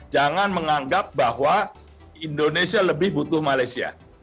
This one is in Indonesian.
jangan menganggap bahwa indonesia lebih butuh malaysia